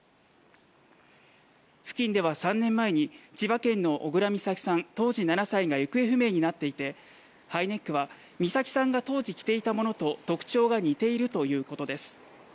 付近では３年前に千葉県の小倉美咲さん当時７歳が行方不明になっていてハイネックは美咲さんが当時着ていたものと特徴が似ているということです。